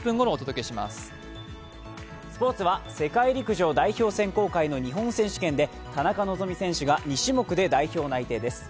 スポーツは世界陸上代表選考会の日本選手権で田中希実選手が２種目で代表内定です。